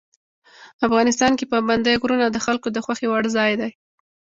افغانستان کې پابندی غرونه د خلکو د خوښې وړ ځای دی.